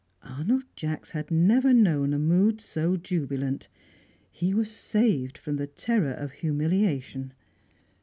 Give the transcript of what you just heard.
Arnold Jacks had never known a mood so jubilant. He was saved from the terror of humiliation.